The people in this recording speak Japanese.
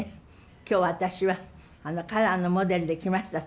今日私はカラーのモデルで来ましたって。